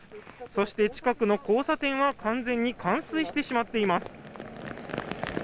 そして近くの交差点は完全に冠水してしまっています。